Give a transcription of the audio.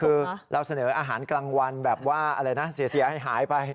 คือเราเสนออาหารกลางวันแบบว่าอะไรนะเสียหายไป